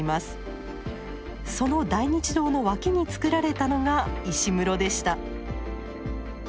その大日堂の脇につくられたのが石室でした。